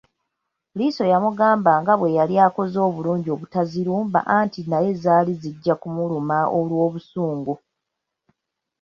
Liiso yamugamba nga bwe yali akoze obulungi obutazirumba anti naye zaali zijja kumuluma olw’obusungu.